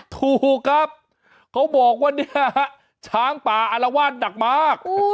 ถูกครับเขาบอกว่าเนี่ยช้างป่าอารวาสหนักมาก